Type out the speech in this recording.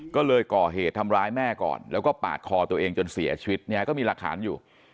ก็เลยก่อเหตุทำร้ายแม่ก่อนแล้วก็ปาดคอตัวเองจนเสียชีวิตเนี่ยก็มีหลักฐานอยู่